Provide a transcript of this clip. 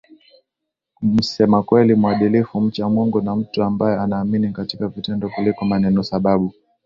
msema kweli mwadilifu mcha Mungu na mtu ambaye anaamini katika vitendo kuliko manenoSababu